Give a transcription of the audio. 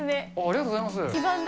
ありがとうございます。